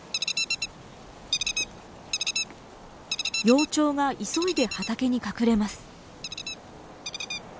幼鳥が急いで畑に隠れます。